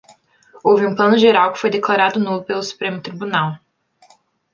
Houve um Plano Geral que foi declarado nulo pelo Supremo Tribunal.